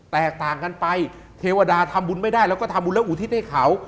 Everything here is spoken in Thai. แตกต่างกันไปเทวดาทำบุญไม่ได้แล้วก็ทำบุญแล้วอุทิศให้เขา